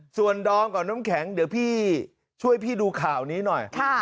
ส่วนดอมกับน้ำแข็งเดี๋ยวพี่ช่วยพี่ดูข่าวนี้หน่อย